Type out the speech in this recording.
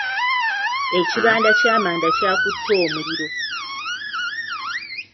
Ekibanda ky'amanda kyakutte omuliro.